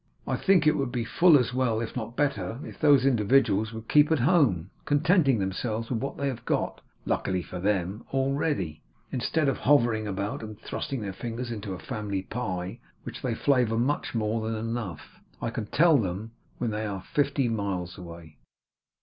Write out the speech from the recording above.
I think it would be full as well, if not better, if those individuals would keep at home, contenting themselves with what they have got (luckily for them) already; instead of hovering about, and thrusting their fingers into, a family pie, which they flavour much more than enough, I can tell them, when they are fifty miles away.